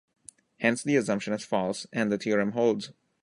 Hence the assumption is false and the theorem holds.